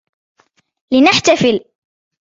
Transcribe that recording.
لنحتفل!